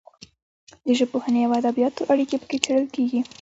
د ژبپوهنې او ادبیاتو اړیکې پکې څیړل کیږي.